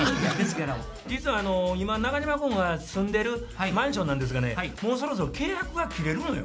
実は今中島君が住んでるマンションなんですがねもうそろそろ契約が切れるのよ。